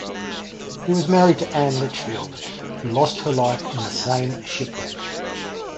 He was married to Anne Litchfield, who lost her life in the same shipwreck.